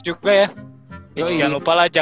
juga ya itu jangan lupa lah